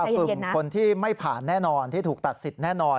กลุ่มคนที่ไม่ผ่านแน่นอนที่ถูกตัดสิทธิ์แน่นอน